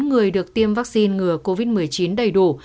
người được tiêm vaccine ngừa covid một mươi chín đầy đủ